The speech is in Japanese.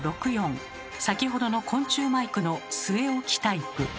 先ほどの昆虫マイクの据え置きタイプ。